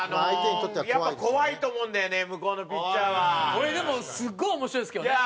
これでもすごい面白いですけどね。